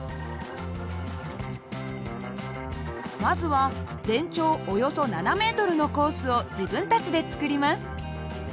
まずは全長およそ７ｍのコースを自分たちで作ります。